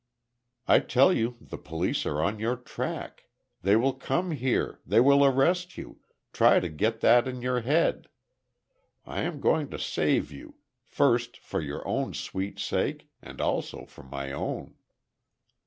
I tell you the police are on your track. They will come here, they will arrest you—try to get that in your head. I am going to save you—first, for your own sweet sake, and also for my own."